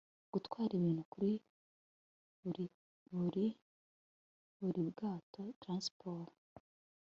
gutwara ibintu kuri buri kuri buri buri bwato transport